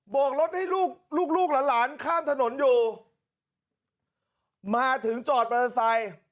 โบกรถให้ลูกลูกละหลานข้ามถนนอยู่มาถึงจอดประสาท